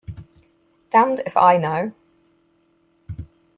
Damned if I know.